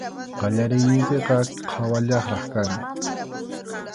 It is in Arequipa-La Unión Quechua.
Qallariyninpiqa qhawallaqraq kani.